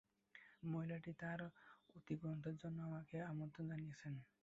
মহিলাটি তাঁর আতিথ্যগ্রহণের জন্য আমাকে আমন্ত্রণ জানিয়েছেন।